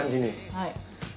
はい。